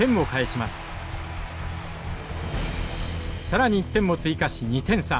更に１点も追加し２点差。